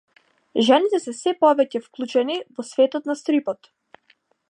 Жените се сѐ повеќе вклучени во светот на стрипот.